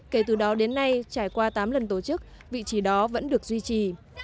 kể từ đó đến nay trải qua tám lần tổ chức vị trí đó vẫn được duy trì